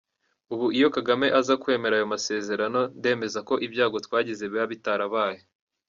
Ubu iyo Kagame azakwemera ayo masezerano, ndemeza ko ibyago twagize biba bitarabaye.